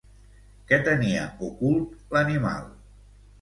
Què tenia ocult l'animal?